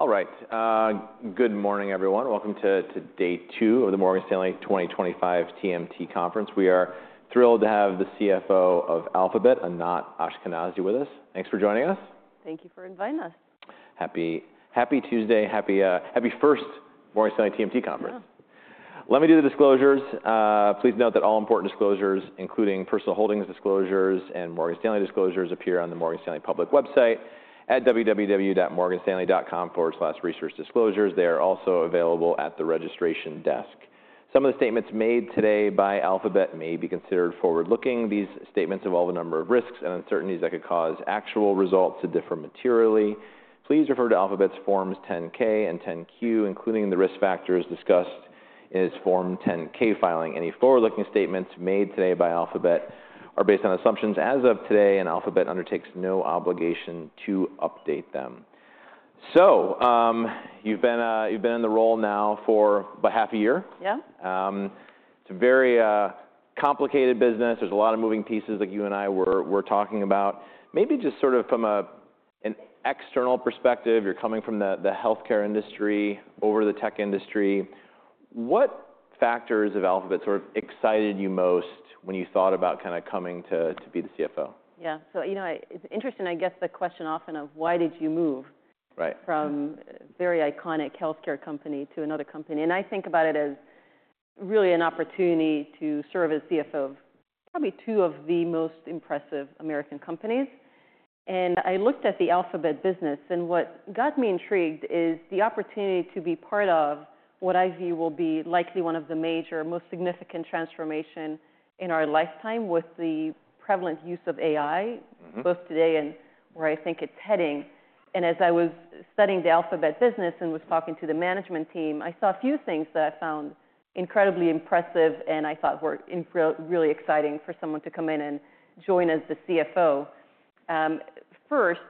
All right. Good morning, everyone. Welcome to day two of the Morgan Stanley 2025 TMT Conference. We are thrilled to have the CFO of Alphabet, Anat Ashkenazi, with us. Thanks for joining us. Thank you for inviting us. Happy Tuesday. Happy first Morgan Stanley TMT Conference. Let me do the disclosures. Please note that all important disclosures, including personal holdings disclosures and Morgan Stanley disclosures, appear on the Morgan Stanley public website at www.morganstanley.com/researchdisclosures. They are also available at the registration desk. Some of the statements made today by Alphabet may be considered forward-looking. These statements involve a number of risks and uncertainties that could cause actual results to differ materially. Please refer to Alphabet's Form 10-K and Form 10-Q, including the risk factors discussed in Form 10-K filing. Any forward-looking statements made today by Alphabet are based on assumptions as of today, and Alphabet undertakes no obligation to update them. So you've been in the role now for about half a year. Yeah. It's a very complicated business. There's a lot of moving pieces, like you and I were talking about. Maybe just sort of from an external perspective, you're coming from the healthcare industry over the tech industry. What factors of Alphabet sort of excited you most when you thought about kind of coming to be the CFO? Yeah. So it's interesting, I guess, the question often of, why did you move from a very iconic healthcare company to another company? And I think about it as really an opportunity to serve as CFO of probably two of the most impressive American companies. And I looked at the Alphabet business, and what got me intrigued is the opportunity to be part of what I view will be likely one of the major, most significant transformations in our lifetime with the prevalent use of AI, both today and where I think it's heading. And as I was studying the Alphabet business and was talking to the management team, I saw a few things that I found incredibly impressive and I thought were really exciting for someone to come in and join as the CFO. First,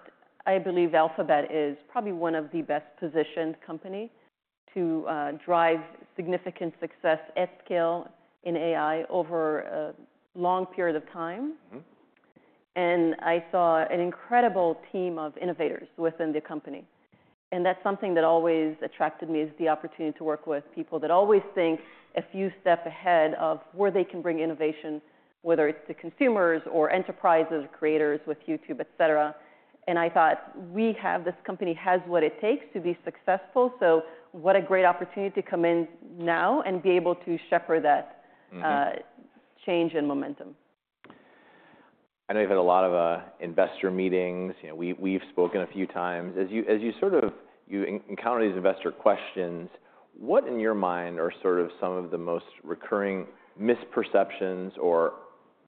I believe Alphabet is probably one of the best-positioned companies to drive significant success at scale in AI over a long period of time. And I saw an incredible team of innovators within the company. And that's something that always attracted me, is the opportunity to work with people that always think a few steps ahead of where they can bring innovation, whether it's to consumers or enterprises or creators with YouTube, et cetera. And I thought, we have this company that has what it takes to be successful. So what a great opportunity to come in now and be able to shepherd that change and momentum. I know you've had a lot of investor meetings. We've spoken a few times. As you sort of encounter these investor questions, what, in your mind, are sort of some of the most recurring misperceptions or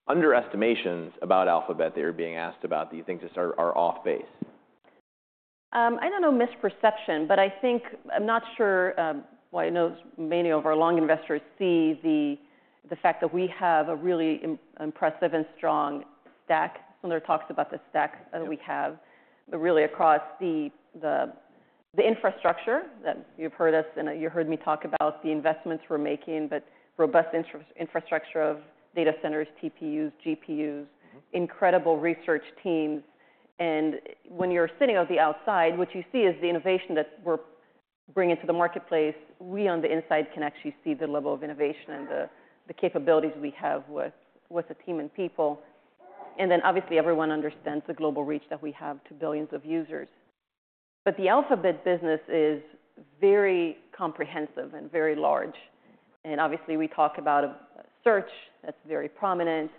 underestimations about Alphabet that you're being asked about that you think just are off base? I don't know, misperception, but I think I'm not sure why many of our long investors see the fact that we have a really impressive and strong stack. Sundar talks about the stack that we have, but really, across the infrastructure that you've heard us, and you heard me, talk about the investments we're making, but robust infrastructure of data centers, TPUs, GPUs, incredible research teams, and when you're sitting on the outside, what you see is the innovation that we're bringing to the marketplace. We, on the inside, can actually see the level of innovation and the capabilities we have with the team and people, and then, obviously, everyone understands the global reach that we have to billions of users, but the Alphabet business is very comprehensive and very large, and obviously, we talk about Search that's very prominent.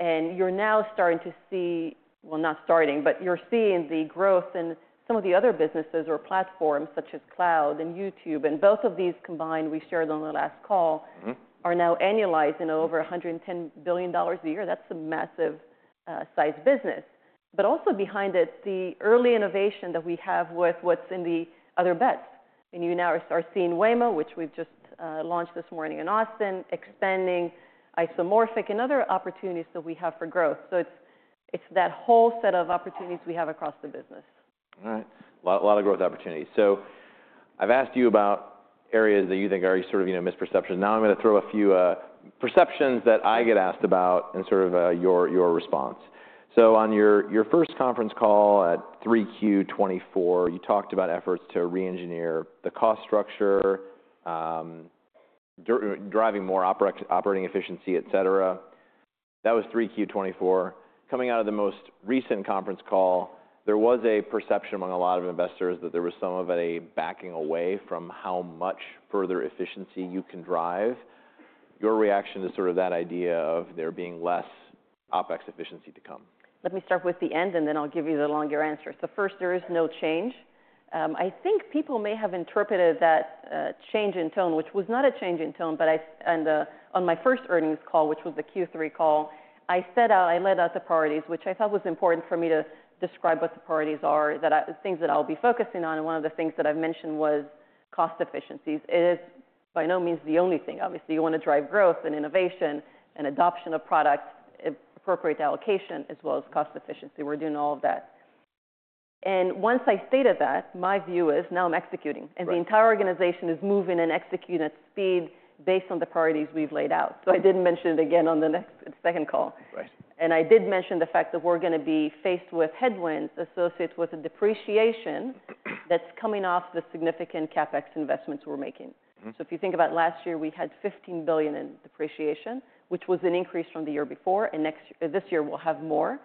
You're now starting to see, well, not starting, but you're seeing the growth in some of the other businesses or platforms, such as cloud and YouTube. Both of these combined, we shared on the last call, are now annualizing over $110 billion a year. That's a massive-sized business. Also behind it, the early innovation that we have with what's in the other bets. You now are seeing Waymo, which we've just launched this morning in Austin, expanding Isomorphic and other opportunities that we have for growth. It's that whole set of opportunities we have across the business. All right. A lot of growth opportunities. So I've asked you about areas that you think are sort of misperceptions. Now I'm going to throw a few perceptions that I get asked about and sort of your response. So on your first conference call at 3Q 2024, you talked about efforts to re-engineer the cost structure, driving more operating efficiency, et cetera. That was 3Q 2024. Coming out of the most recent conference call, there was a perception among a lot of investors that there was somewhat of a backing away from how much further efficiency you can drive. Your reaction to sort of that idea of there being less OpEx efficiency to come? Let me start with the end, and then I'll give you the longer answers. So first, there is no change. I think people may have interpreted that change in tone, which was not a change in tone. But on my first earnings call, which was the Q3 call, I set out, I laid out the priorities, which I thought was important for me to describe what the priorities are, the things that I'll be focusing on. And one of the things that I've mentioned was cost efficiencies. It is by no means the only thing. Obviously, you want to drive growth and innovation and adoption of products, appropriate allocation, as well as cost efficiency. We're doing all of that. And once I stated that, my view is now I'm executing. And the entire organization is moving and executing at speed based on the priorities we've laid out. So I didn't mention it again on the second call. And I did mention the fact that we're going to be faced with headwinds associated with a depreciation that's coming off the significant CapEx investments we're making. So if you think about last year, we had $15 billion in depreciation, which was an increase from the year before. And this year, we'll have more.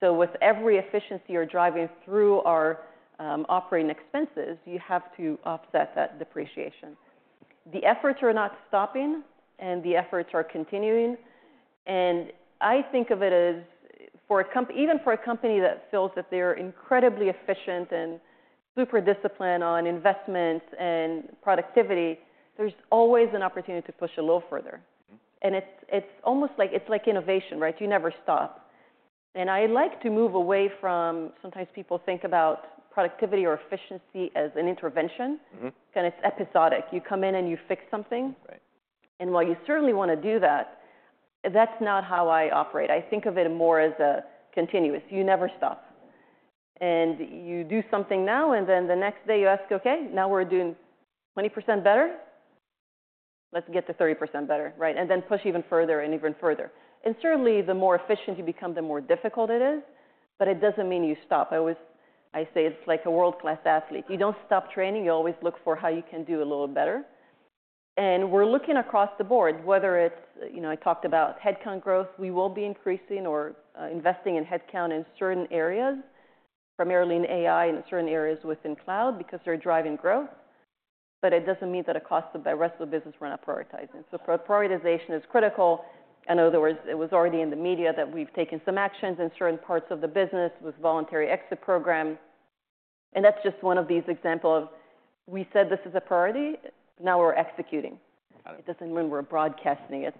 So with every efficiency you're driving through our operating expenses, you have to offset that depreciation. The efforts are not stopping, and the efforts are continuing. And I think of it as, even for a company that feels that they're incredibly efficient and super disciplined on investments and productivity, there's always an opportunity to push a little further. And it's almost like innovation, right? You never stop. I like to move away from sometimes people think about productivity or efficiency as an intervention, because it's episodic. You come in and you fix something. And while you certainly want to do that, that's not how I operate. I think of it more as continuous. You never stop. And you do something now, and then the next day you ask, "ok, now we're doing 20% better. Let's get to 30% better," right? And then push even further and even further. And certainly, the more efficient you become, the more difficult it is. But it doesn't mean you stop. I always say it's like a world-class athlete. You don't stop training. You always look for how you can do a little better. And we're looking across the board, whether it's. I talked about headcount growth. We will be increasing or investing in headcount in certain areas, primarily in AI and in certain areas within cloud, because they're driving growth, but it doesn't mean that it costs the rest of the business we're not prioritizing, so prioritization is critical. In other words, it was already in the media that we've taken some actions in certain parts of the business with voluntary exit programs, and that's just one of these examples of we said this is a priority. Now we're executing. It doesn't mean we're broadcasting it,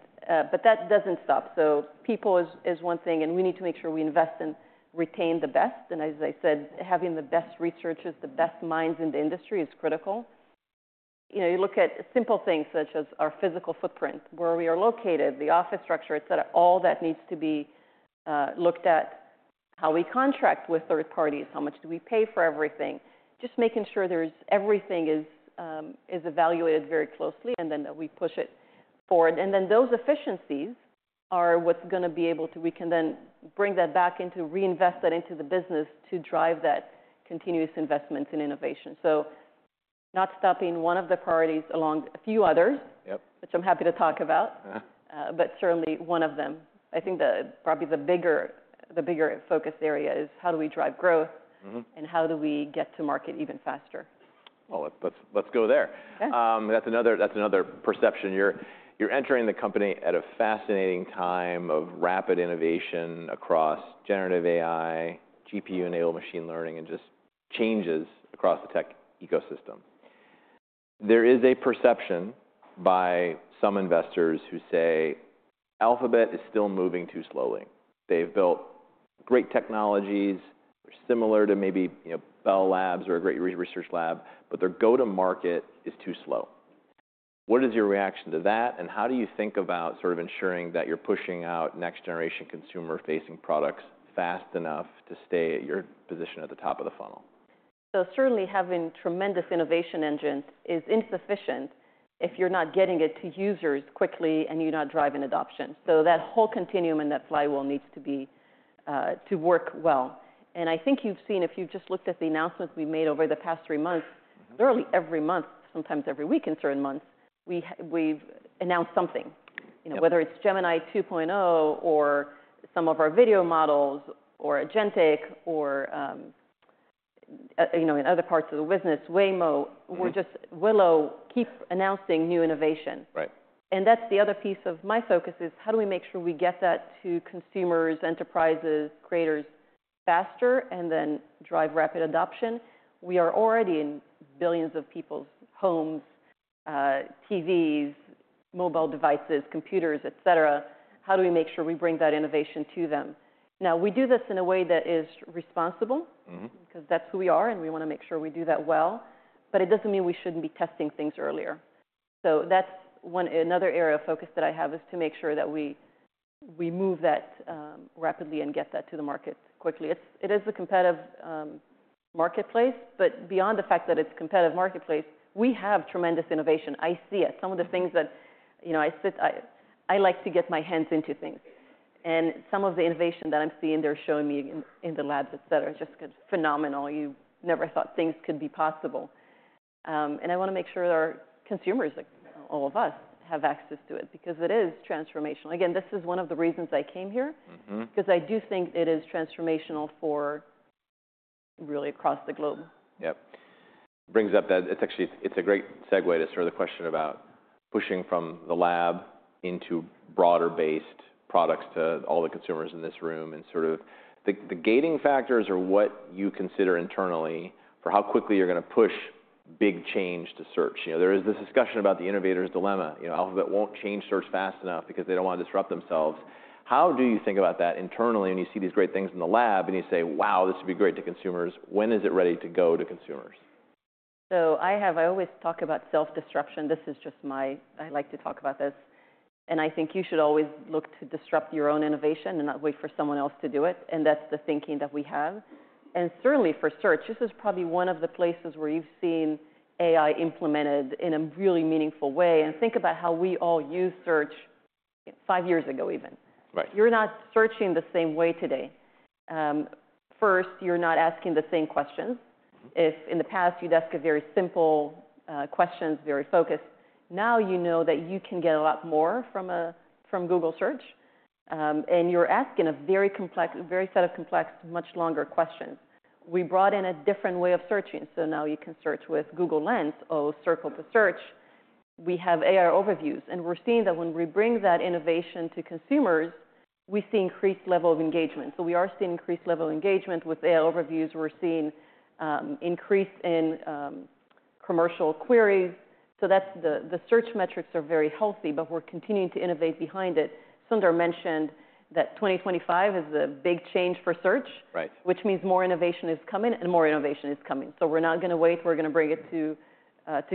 but that doesn't stop, so people is one thing, and we need to make sure we invest and retain the best, and as I said, having the best researchers, the best minds in the industry is critical. You look at simple things such as our physical footprint, where we are located, the office structure, et cetera. All that needs to be looked at. How we contract with third parties, how much do we pay for everything, just making sure everything is evaluated very closely. And then we push it forward. And then those efficiencies are what's going to be able to—we can then bring that back into reinvest that into the business to drive that continuous investment in innovation. So not stopping one of the priorities along a few others, which I'm happy to talk about, but certainly one of them. I think probably the bigger focus area is how do we drive growth and how do we get to market even faster. Let's go there. That's another perception. You're entering the company at a fascinating time of rapid innovation across generative AI, GPU-enabled machine learning, and just changes across the tech ecosystem. There is a perception by some investors who say Alphabet is still moving too slowly. They've built great technologies. They're similar to maybe Bell Labs or a great research lab, but their go-to-market is too slow. What is your reaction to that? And how do you think about sort of ensuring that you're pushing out next-generation consumer-facing products fast enough to stay at your position at the top of the funnel? So certainly, having tremendous innovation engines is insufficient if you're not getting it to users quickly and you're not driving adoption. So that whole continuum and that flywheel needs to work well. And I think you've seen, if you've just looked at the announcements we made over the past three months, literally every month, sometimes every week in certain months, we've announced something, whether it's Gemini 2.0 or some of our video models or agentic or in other parts of the business, Waymo, Willow, keep announcing new innovation. And that's the other piece of my focus is how do we make sure we get that to consumers, enterprises, creators faster and then drive rapid adoption? We are already in billions of people's homes, TVs, mobile devices, computers, et cetera. How do we make sure we bring that innovation to them? Now, we do this in a way that is responsible, because that's who we are, and we want to make sure we do that well, but it doesn't mean we shouldn't be testing things earlier, so that's another area of focus that I have, to make sure that we move that rapidly and get that to the market quickly. It is a competitive marketplace, but beyond the fact that it's a competitive marketplace, we have tremendous innovation. I see it. Some of the things that I see, I like to get my hands into things, and some of the innovation that I'm seeing they're showing me in the labs, et cetera, it's just phenomenal. You never thought things could be possible, and I want to make sure our consumers, all of us, have access to it, because it is transformational. Again, this is one of the reasons I came here, because I do think it is transformational for really across the globe. Yep. It brings up that it's actually a great segue to sort of the question about pushing from the lab into broader-based products to all the consumers in this room. And sort of the gating factors are what you consider internally for how quickly you're going to push big change to Search. There is this discussion about the Innovator's Dilemma. Alphabet won't change Search fast enough because they don't want to disrupt themselves. How do you think about that internally when you see these great things in the lab and you say, "Wow, this would be great to consumers"? When is it ready to go to consumers? So I always talk about self-disruption. This is just my—I like to talk about this. And I think you should always look to disrupt your own innovation and not wait for someone else to do it. And that's the thinking that we have. And certainly, for Search, this is probably one of the places where you've seen AI implemented in a really meaningful way. And think about how we all used Search five years ago, even. You're not searching the same way today. First, you're not asking the same questions. If in the past, you'd ask very simple questions, very focused, now you know that you can get a lot more from Google Search. And you're asking a very complex set of complex, much longer questions. We brought in a different way of searching. So now you can search with Google Lens or Circle to Search. We have AI Overviews, and we're seeing that when we bring that innovation to consumers, we see an increased level of engagement. So we are seeing an increased level of engagement with AI Overviews. We're seeing an increase in commercial queries. So the search metrics are very healthy, but we're continuing to innovate behind it. Sundar mentioned that 2025 is a big change for Search, which means more innovation is coming and more innovation is coming. So we're not going to wait. We're going to bring it to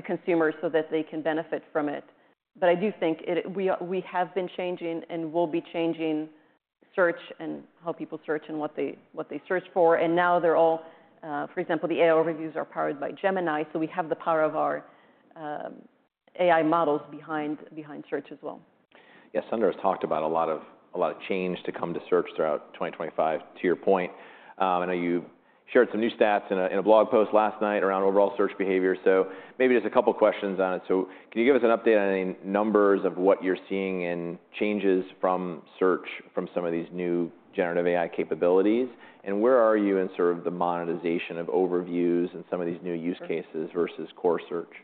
consumers so that they can benefit from it, but I do think we have been changing and will be changing Search and how people search and what they search for. And now they're all, for example, the AI Overviews are powered by Gemini. So we have the power of our AI models behind Search as well. Yeah, Sundar has talked about a lot of change to come to Search throughout 2025. To your point, I know you shared some new stats in a blog post last night around overall search behavior. So maybe just a couple of questions on it. So can you give us an update on any numbers of what you're seeing in changes from Search from some of these new generative AI capabilities? And where are you in sort of the monetization of overviews and some of these new use cases versus core search? Yeah.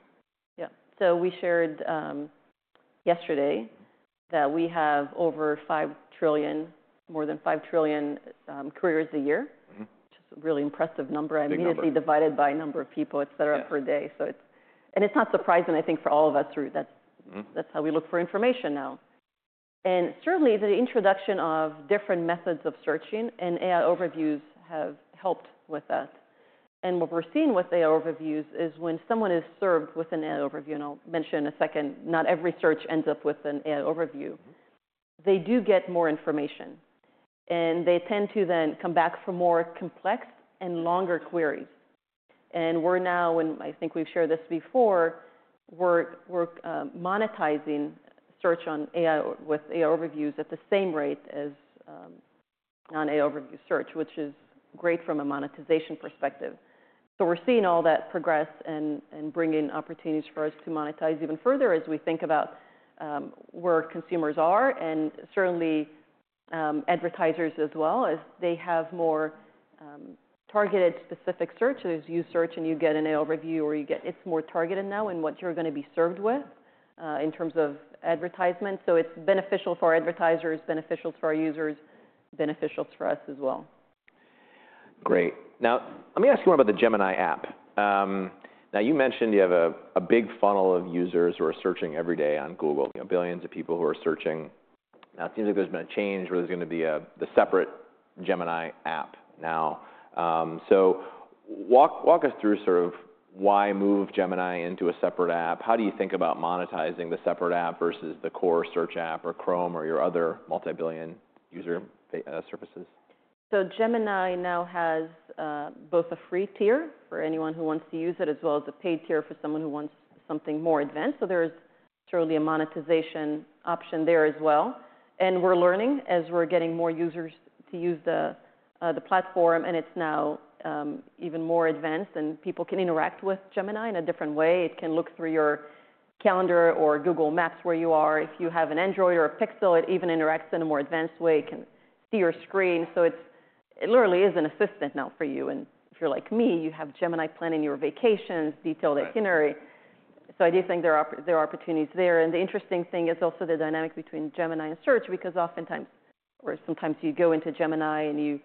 So we shared yesterday that we have over 5 trillion, more than 5 trillion queries a year, which is a really impressive number. I mean, it'd be divided by the number of people, et cetera, per day. And it's not surprising, I think, for all of us. That's how we look for information now. And certainly, the introduction of different methods of searching and AI Overviews have helped with that. And what we're seeing with AI Overviews is when someone is served with an AI Overview, and I'll mention in a second, not every search ends up with an AI Overview. They do get more information. And they tend to then come back for more complex and longer queries. We're now, and I think we've shared this before, we're monetizing Search with AI Overviews at the same rate as non-AI Overview search, which is great from a monetization perspective. We're seeing all that progress and bringing opportunities for us to monetize even further as we think about where consumers are. Certainly, advertisers as well, as they have more targeted specific searches. You search and you get an AI overview, or it's more targeted now in what you're going to be served with in terms of advertisement. It's beneficial for our advertisers, beneficial for our users, beneficial for us as well. Great. Now, let me ask you more about the Gemini app. Now, you mentioned you have a big funnel of users who are searching every day on Google, billions of people who are searching. Now, it seems like there's been a change where there's going to be the separate Gemini app now. So walk us through sort of why move Gemini into a separate app? How do you think about monetizing the separate app versus the core search app or Chrome or your other multi-billion user services? So Gemini now has both a free tier for anyone who wants to use it, as well as a paid tier for someone who wants something more advanced. So there is certainly a monetization option there as well. And we're learning as we're getting more users to use the platform. And it's now even more advanced. And people can interact with Gemini in a different way. It can look through your calendar or Google Maps where you are. If you have an Android or a Pixel, it even interacts in a more advanced way. It can see your screen. So it literally is an assistant now for you. And if you're like me, you have Gemini planning your vacations, detailed itinerary. So I do think there are opportunities there. The interesting thing is also the dynamic between Gemini and Search, because oftentimes, or sometimes you go into Gemini and you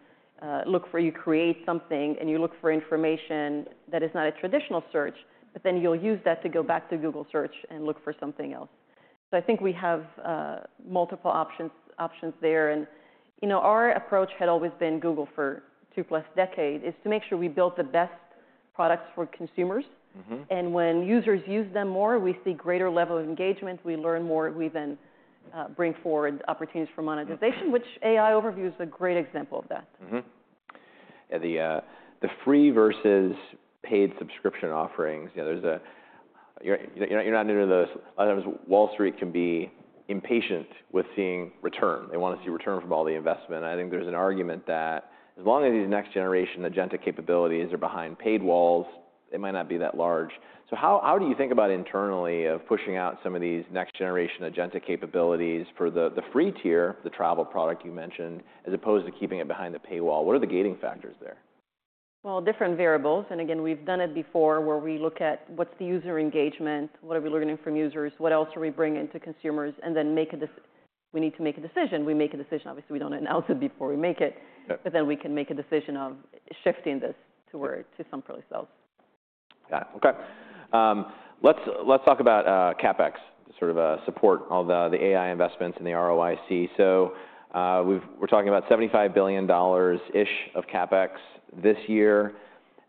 look for, you create something, and you look for information that is not a traditional search, but then you'll use that to go back to Google Search and look for something else. So I think we have multiple options there. Our approach had always been Google for two plus decades is to make sure we build the best products for consumers. And when users use them more, we see a greater level of engagement. We learn more. We then bring forward opportunities for monetization, which AI Overview is a great example of that. Yeah, the free versus paid subscription offerings. You're not new to those. A lot of times, Wall Street can be impatient with seeing return. They want to see return from all the investment. I think there's an argument that as long as these next-generation agentic capabilities are behind paid walls, they might not be that large. So how do you think about internally of pushing out some of these next-generation agentic capabilities for the free tier, the travel product you mentioned, as opposed to keeping it behind the paywall? What are the gating factors there? Different variables. Again, we've done it before where we look at what's the user engagement, what are we learning from users, what else are we bringing to consumers, and then we need to make a decision. We make a decision. Obviously, we don't announce it before we make it. But then we can make a decision of shifting this to some place else. Yeah, ok. Let's talk about CapEx, sort of support, all the AI investments and the ROIC. So we're talking about $75 billion of CapEx this year.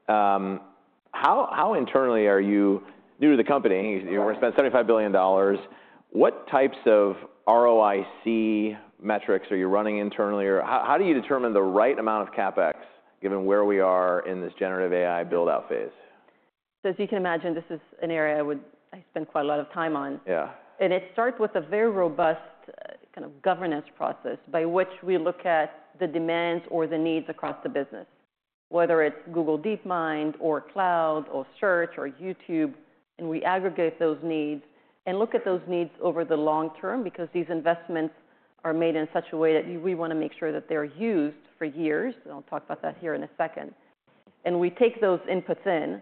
How internally are you viewing the company? You want to spend $75 billion. What types of ROIC metrics are you running internally? Or how do you determine the right amount of CapEx, given where we are in this generative AI build-out phase? So as you can imagine, this is an area I spend quite a lot of time on. And it starts with a very robust kind of governance process by which we look at the demands or the needs across the business, whether it's Google DeepMind or Cloud or Search or YouTube. And we aggregate those needs and look at those needs over the long term, because these investments are made in such a way that we want to make sure that they're used for years. And I'll talk about that here in a second. And we take those inputs in,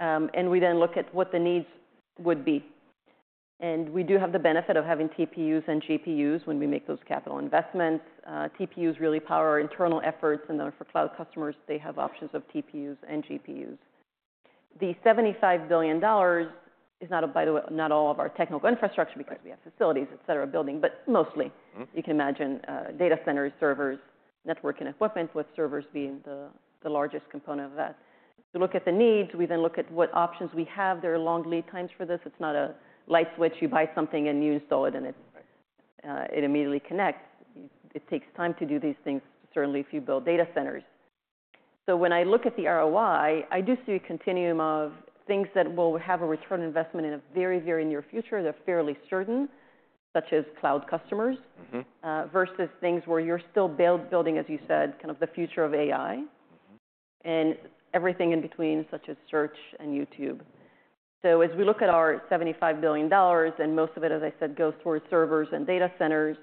and we then look at what the needs would be. And we do have the benefit of having TPUs and GPUs when we make those capital investments. TPUs really power our internal efforts. And then for cloud customers, they have options of TPUs and GPUs. The $75 billion is not all of our technical infrastructure, because we have facilities, et cetera, buildings, but mostly. You can imagine data centers, servers, networking equipment, with servers being the largest component of that. To look at the needs, we then look at what options we have. There are long lead times for this. It's not a light switch. You buy something and you install it, and it immediately connects. It takes time to do these things, certainly if you build data centers, so when I look at the ROI, I do see a continuum of things that will have a return on investment in a very, very near future that are fairly certain, such as cloud customers versus things where you're still building, as you said, kind of the future of AI and everything in between, such as Search and YouTube. So as we look at our $75 billion, and most of it, as I said, goes towards servers and data centers.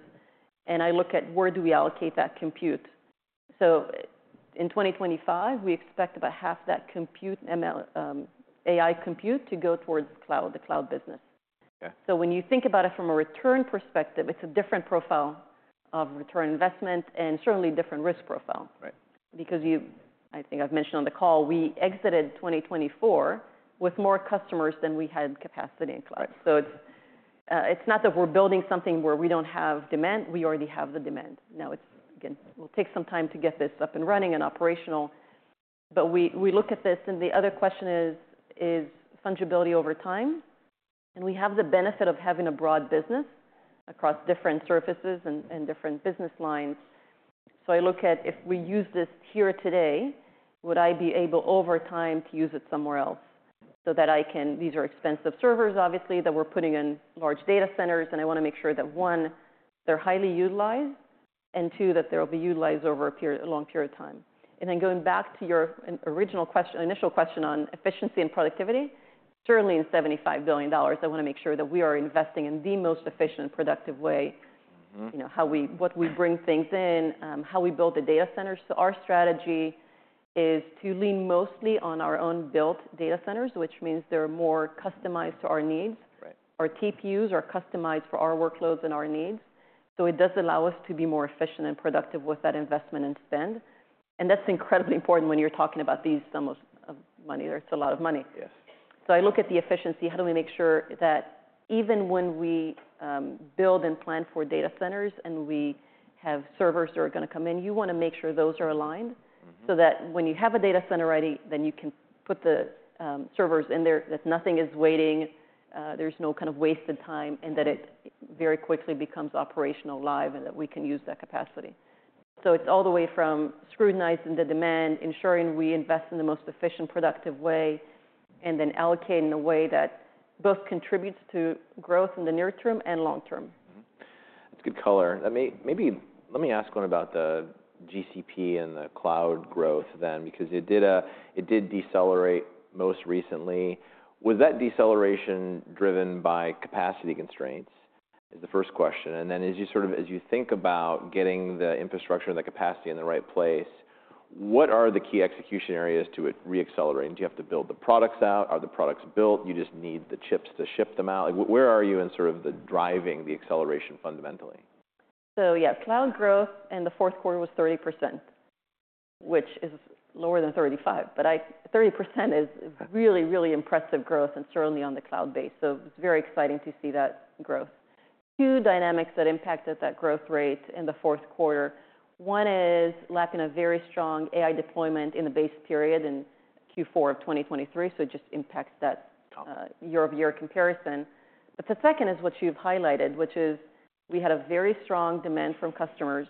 And I look at where do we allocate that compute. So in 2025, we expect about half that AI compute to go towards the cloud business. So when you think about it from a return perspective, it's a different profile of return on investment and certainly a different risk profile. Because I think I've mentioned on the call, we exited 2024 with more customers than we had capacity in cloud. So it's not that we're building something where we don't have demand. We already have the demand. Now, again, it will take some time to get this up and running and operational. But we look at this. And the other question is, is fungibility over time? We have the benefit of having a broad business across different surfaces and different business lines. So I look at if we use this here today, would I be able over time to use it somewhere else so that I can. These are expensive servers, obviously, that we're putting in large data centers. I want to make sure that, one, they're highly utilized, and two, that they'll be utilized over a long period of time. Then going back to your initial question on efficiency and productivity, certainly in $75 billion, I want to make sure that we are investing in the most efficient and productive way, what we bring things in, how we build the data centers. Our strategy is to lean mostly on our own built data centers, which means they're more customized to our needs. Our TPUs are customized for our workloads and our needs. It does allow us to be more efficient and productive with that investment and spend. And that's incredibly important when you're talking about these sums of money. It's a lot of money. So I look at the efficiency. How do we make sure that even when we build and plan for data centers and we have servers that are going to come in, you want to make sure those are aligned so that when you have a data center ready, then you can put the servers in there, that nothing is waiting, there's no kind of wasted time, and that it very quickly becomes operational live and that we can use that capacity? So it's all the way from scrutinizing the demand, ensuring we invest in the most efficient, productive way, and then allocating in a way that both contributes to growth in the near term and long term. That's good color. Maybe let me ask one about the GCP and the cloud growth then, because it did decelerate most recently. Was that deceleration driven by capacity constraints? Is the first question. Then as you think about getting the infrastructure and the capacity in the right place, what are the key execution areas to re-accelerate? Do you have to build the products out? Are the products built? You just need the chips to ship them out? Where are you in sort of the driving the acceleration fundamentally? Yeah, cloud growth in the fourth quarter was 30%, which is lower than 35%. But 30% is really, really impressive growth, and certainly on the cloud base. So it's very exciting to see that growth. Two dynamics that impacted that growth rate in the fourth quarter. One is we lapped a very strong AI deployment in the base period in Q4 of 2023. So it just impacts that year-over-year comparison. But the second is what you've highlighted, which is we had a very strong demand from customers,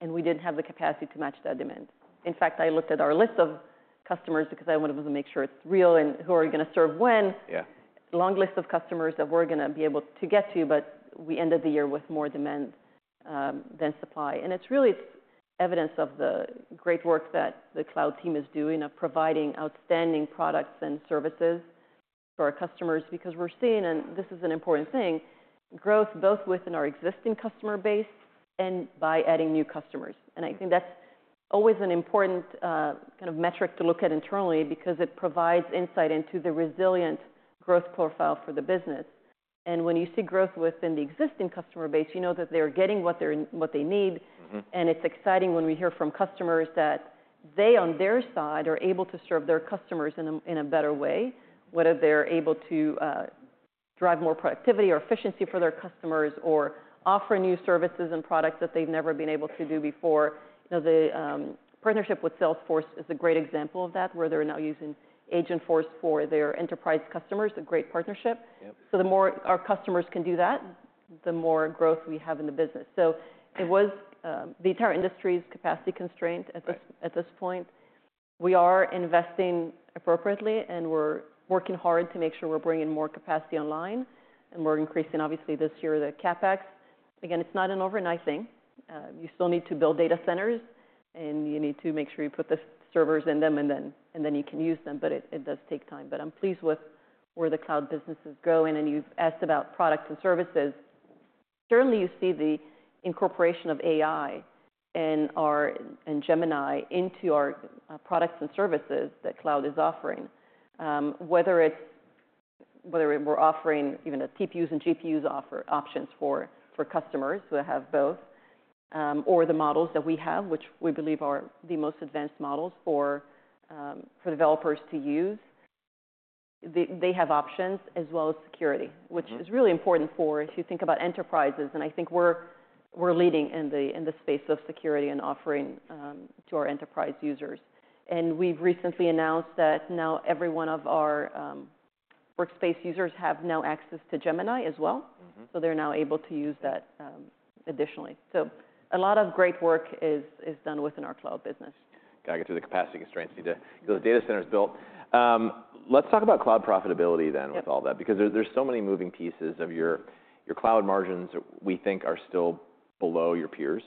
and we didn't have the capacity to match that demand. In fact, I looked at our list of customers because I wanted to make sure it's real and who we're going to serve when, long list of customers that we're going to be able to get to. But we ended the year with more demand than supply. And it's really evidence of the great work that the cloud team is doing of providing outstanding products and services for our customers, because we're seeing, and this is an important thing, growth both within our existing customer base and by adding new customers. And I think that's always an important kind of metric to look at internally, because it provides insight into the resilient growth profile for the business. And when you see growth within the existing customer base, you know that they're getting what they need. And it's exciting when we hear from customers that they, on their side, are able to serve their customers in a better way, whether they're able to drive more productivity or efficiency for their customers or offer new services and products that they've never been able to do before. The partnership with Salesforce is a great example of that, where they're now using Agentforce for their enterprise customers, a great partnership. So the more our customers can do that, the more growth we have in the business. So it was the entire industry's capacity constraint at this point. We are investing appropriately, and we're working hard to make sure we're bringing more capacity online. And we're increasing, obviously, this year the CapEx. Again, it's not an overnight thing. You still need to build data centers, and you need to make sure you put the servers in them, and then you can use them. But it does take time. But I'm pleased with where the cloud business is going. And you've asked about products and services. Certainly, you see the incorporation of AI and Gemini into our products and services that Cloud is offering, whether we're offering even the TPUs and GPUs options for customers who have both, or the models that we have, which we believe are the most advanced models for developers to use. They have options as well as security, which is really important for, if you think about enterprises, and I think we're leading in the space of security and offering to our enterprise users, and we've recently announced that now every one of our Workspace users have now access to Gemini as well, so they're now able to use that additionally, so a lot of great work is done within our Cloud business. Got to get through the capacity constraints because the data center is built. Let's talk about cloud profitability then with all that, because there's so many moving pieces of your cloud margins that we think are still below your peers.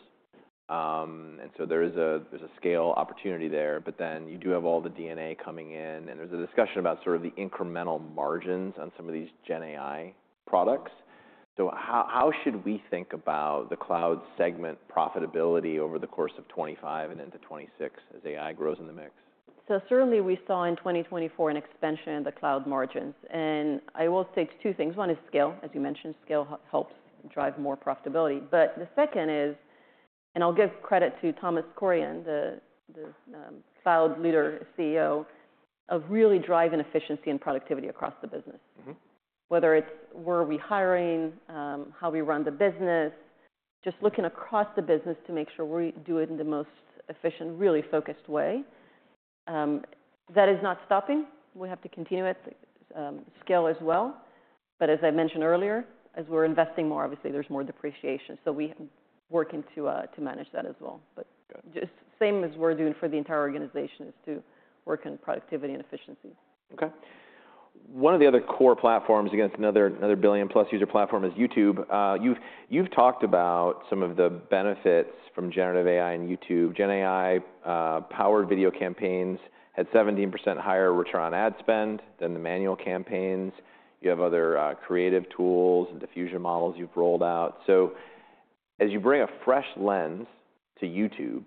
And so there is a scale opportunity there. But then you do have all the GenAI coming in. And there's a discussion about sort of the incremental margins on some of these GenAI products. So how should we think about the cloud segment profitability over the course of 2025 and into 2026 as AI grows in the mix? Certainly, we saw in 2024 an expansion in the cloud margins. I will state two things. One is scale, as you mentioned. Scale helps drive more profitability. The second is, and I'll give credit to Thomas Kurian, the cloud leader and CEO, of really driving efficiency and productivity across the business, whether it's where are we hiring, how we run the business, just looking across the business to make sure we do it in the most efficient, really focused way. That is not stopping. We have to continue it, scale as well. As I mentioned earlier, as we're investing more, obviously, there's more depreciation. We work to manage that as well. Just same as we're doing for the entire organization is to work on productivity and efficiency. Ok. One of the other core platforms, again, it's another billion-plus user platform, is YouTube. You've talked about some of the benefits from generative AI in YouTube. GenAI-powered video campaigns had 17% higher return on ad spend than the manual campaigns. You have other creative tools and diffusion models you've rolled out. So as you bring a fresh lens to YouTube,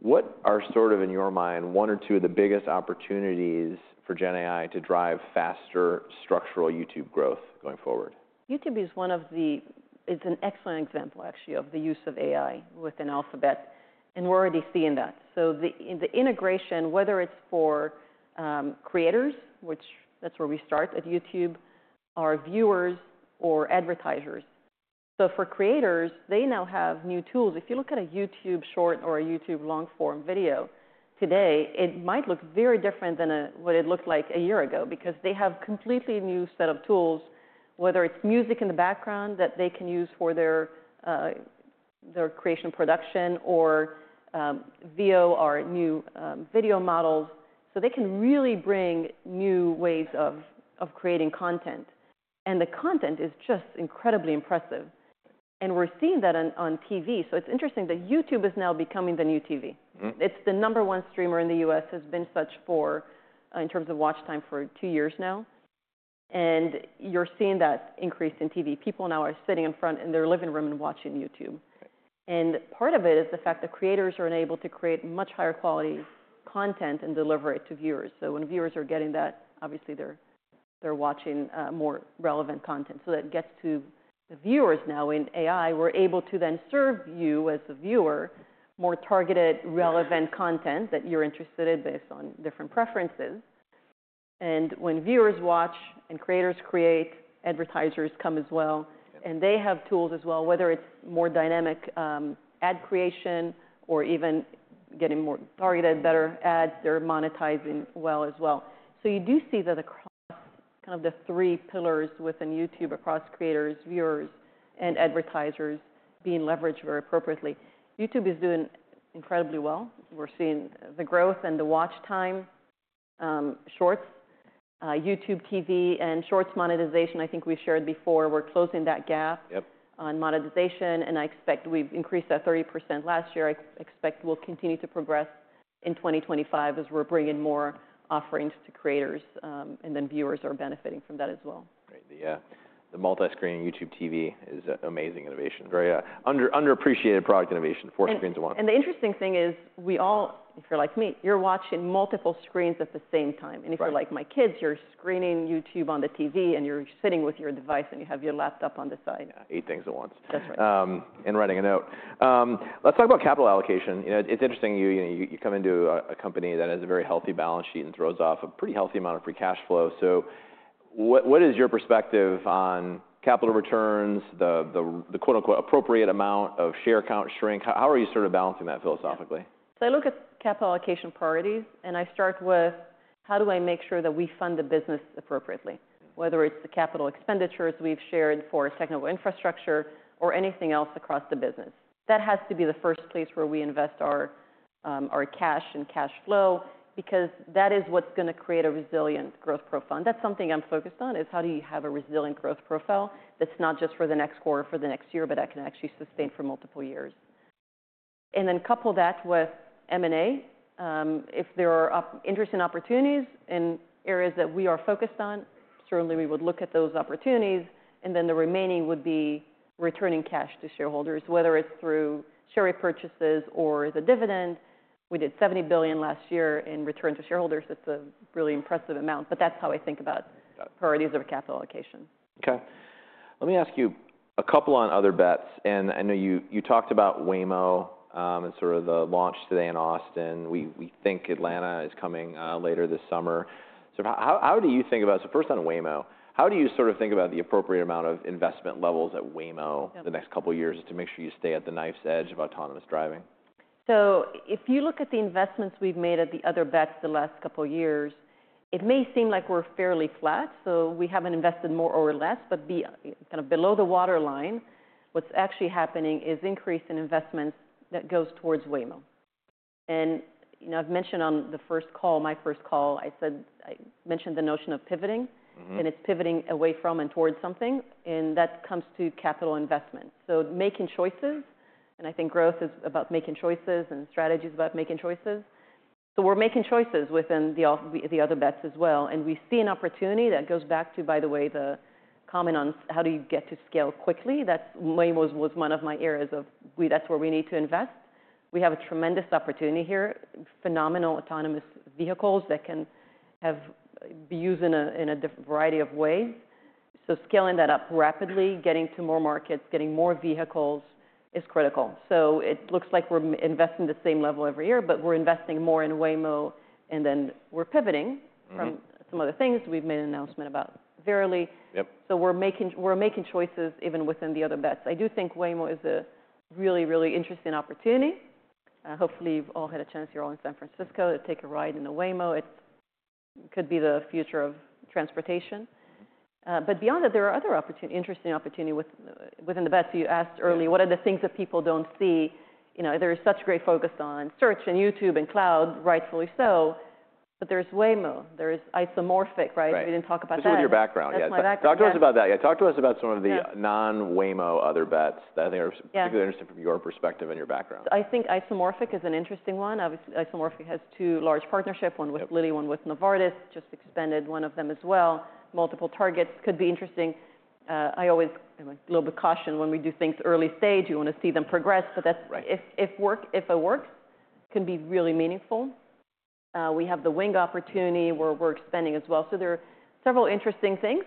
what are sort of, in your mind, one or two of the biggest opportunities for GenAI to drive faster structural YouTube growth going forward? YouTube is one of the, it's an excellent example, actually, of the use of AI within Alphabet, and we're already seeing that, so the integration, whether it's for creators, which that's where we start at YouTube, our viewers, or advertisers, so for creators, they now have new tools. If you look at a YouTube Short or a YouTube Long-form video today, it might look very different than what it looked like a year ago, because they have a completely new set of tools, whether it's music in the background that they can use for their creation of production or VO or new video models, so they can really bring new ways of creating content, and the content is just incredibly impressive, and we're seeing that on TV, so it's interesting that YouTube is now becoming the new TV. It's the number one streamer in the U.S., has been such for, in terms of watch time, for two years now, and you're seeing that increase in TV. People now are sitting in front of, in their living room and watching YouTube, and part of it is the fact that creators are able to create much higher quality content and deliver it to viewers, so when viewers are getting that, obviously, they're watching more relevant content so that gets to the viewers now in AI. We're able to then serve you as a viewer more targeted, relevant content that you're interested in based on different preferences, and when viewers watch and creators create, advertisers come as well, and they have tools as well, whether it's more dynamic ad creation or even getting more targeted, better ads. They're monetizing well as well. So you do see that across kind of the three pillars within YouTube across creators, viewers, and advertisers being leveraged very appropriately. YouTube is doing incredibly well. We're seeing the growth and the watch time. Shorts, YouTube TV and Shorts monetization, I think we shared before, we're closing that gap on monetization. And I expect we've increased that 30% last year. I expect we'll continue to progress in 2025 as we're bringing more offerings to creators. And then viewers are benefiting from that as well. The multiscreen YouTube TV is amazing innovation, very underappreciated product innovation, four screens at once. The interesting thing is we all, if you're like me, you're watching multiple screens at the same time. If you're like my kids, you're screening YouTube on the TV, and you're sitting with your device, and you have your laptop on the side. Eight things at once. That's right. And writing a note. Let's talk about capital allocation. It's interesting. You come into a company that has a very healthy balance sheet and throws off a pretty healthy amount of free cash flow. So what is your perspective on capital returns, the "appropriate amount of share count shrink"? How are you sort of balancing that philosophically? I look at capital allocation priorities. I start with how do I make sure that we fund the business appropriately, whether it's the capital expenditures we've shared for technical infrastructure or anything else across the business. That has to be the first place where we invest our cash and cash flow, because that is what's going to create a resilient growth profile. That's something I'm focused on, is how do you have a resilient growth profile that's not just for the next quarter or for the next year, but that can actually sustain for multiple years. Couple that with M&A. If there are interesting opportunities in areas that we are focused on, certainly, we would look at those opportunities. The remaining would be returning cash to shareholders, whether it's through share repurchases or the dividend. We did $70 billion last year in return to shareholders. That's a really impressive amount. But that's how I think about priorities of capital allocation. OK. Let me ask you a couple on other bets. And I know you talked about Waymo and sort of the launch today in Austin. We think Atlanta is coming later this summer. So how do you think about, so first on Waymo, how do you sort of think about the appropriate amount of investment levels at Waymo the next couple of years to make sure you stay at the knife's edge of autonomous driving? So if you look at the investments we've made at the other bets the last couple of years, it may seem like we're fairly flat. So we haven't invested more or less, but kind of below the waterline, what's actually happening is an increase in investments that goes towards Waymo. And I've mentioned on the first call, my first call, I mentioned the notion of pivoting. And it's pivoting away from and towards something. And that comes to capital investment, so making choices. And I think growth is about making choices and strategies about making choices. So we're making choices within the other bets as well. And we see an opportunity that goes back to, by the way, the comment on how do you get to scale quickly. That's Waymo's was one of my areas of that's where we need to invest. We have a tremendous opportunity here, phenomenal autonomous vehicles that can be used in a variety of ways. So scaling that up rapidly, getting to more markets, getting more vehicles is critical. So it looks like we're investing the same level every year, but we're investing more in Waymo. And then we're pivoting from some other things. We've made an announcement about Verily. So we're making choices even within the other bets. I do think Waymo is a really, really interesting opportunity. Hopefully, you've all had a chance. You're all in San Francisco to take a ride in a Waymo. It could be the future of transportation. But beyond that, there are other interesting opportunities within the bets. You asked earlier, what are the things that people don't see? There is such great focus on Search and YouTube and Cloud, rightfully so. But there's Waymo. There is Isomorphic, right? We didn't talk about that. This isn't your background yet. That's my background. Talk to us about that. Yeah, talk to us about some of the non-Waymo other bets that I think are particularly interesting from your perspective and your background. So I think Isomorphic is an interesting one. Obviously, Isomorphic has two large partnerships, one with Lilly, one with Novartis, just expanded one of them as well. Multiple targets could be interesting. I always am a little bit cautious when we do things early stage. You want to see them progress. But if it works, it can be really meaningful. We have the Wing opportunity where we're expanding as well. So there are several interesting things.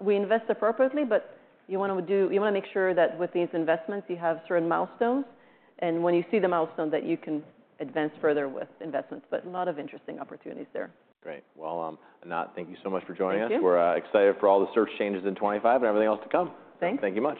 We invest appropriately. But you want to make sure that with these investments, you have certain milestones. And when you see the milestone, that you can advance further with investments. But a lot of interesting opportunities there. Great. Well, Anat, thank you so much for joining us. Thank you. We're excited for all the Search changes in 2025 and everything else to come. Thanks. Thank you much.